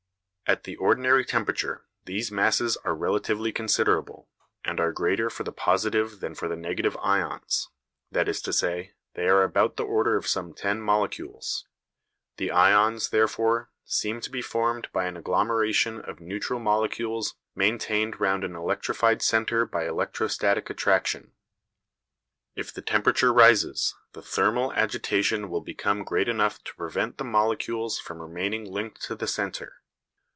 At the ordinary temperature these masses are relatively considerable, and are greater for the positive than for the negative ions, that is to say, they are about the order of some ten molecules. The ions, therefore, seem to be formed by an agglomeration of neutral molecules maintained round an electrified centre by electrostatic attraction. If the temperature rises, the thermal agitation will become great enough to prevent the molecules from remaining linked to the centre.